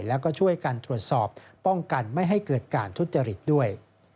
แล้วก็ช่วยกันตรวจสอบป้องกันไม่ให้เกิดการทุจริตด้วย